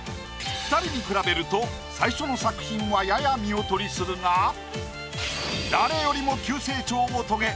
２人に比べると最初の作品はやや見劣りするが誰よりも急成長を遂げ